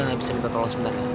maaf saya minta tolong sebentar ya